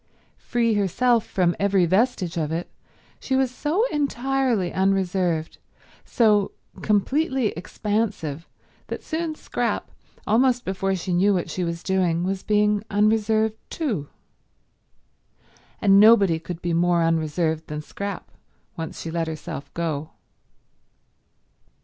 Free herself from every vestige of it, she was so entirely unreserved, so completely expansive, that soon Scrap, almost before she knew what she was doing, was being unreserved too. And nobody could be more unreserved than Scrap, once she let herself go.